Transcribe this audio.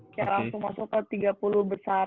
secara langsung masuk ke tiga puluh besar